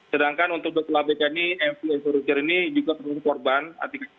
sedangkan untuk dua abk ini mp fokusi ini juga terbakar hangus